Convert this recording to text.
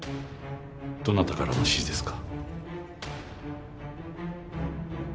どなたからの指示ですか？